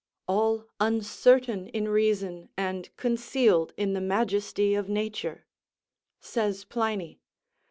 _ "All uncertain in reason, and concealed in the majesty of nature," says Pliny.